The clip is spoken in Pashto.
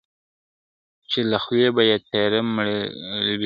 چی له خولې به یې تیاره مړۍ لوېږی ..